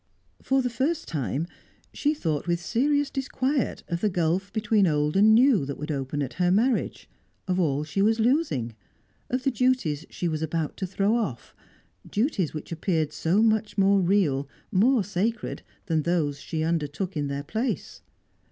For the first time, she thought with serious disquiet of the gulf between old and new that would open at her marriage, of all she was losing, of the duties she was about to throw off duties which appeared so much more real, more sacred, than those she undertook in their place.